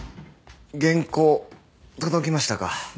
原稿届きましたか？